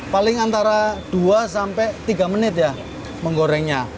paling antara dua sampai tiga menit ya menggorengnya